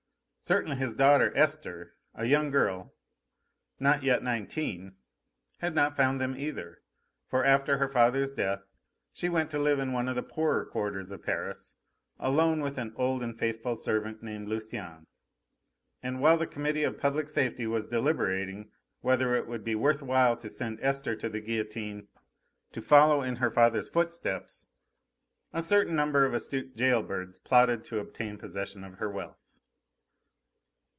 Certainly his daughter Esther a young girl, not yet nineteen had not found them either, for after her father's death she went to live in one of the poorer quarters of Paris, alone with an old and faithful servant named Lucienne. And while the Committee of Public Safety was deliberating whether it would be worth while to send Esther to the guillotine, to follow in her father's footsteps, a certain number of astute jail birds plotted to obtain possession of her wealth.